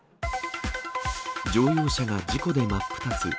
乗用車が事故で真っ二つ。